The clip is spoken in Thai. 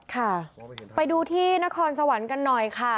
ค่ะไปดูที่นครสวรรค์กันหน่อยค่ะ